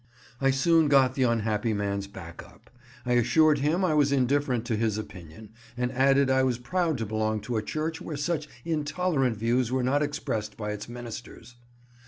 I soon got the unhappy man's back up. I assured him I was indifferent to his opinion, and added I was proud to belong to a Church where such intolerant views were not expressed by its ministers.